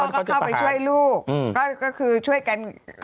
ก็เข้าไปช่วยลูกก็คือช่วยกัน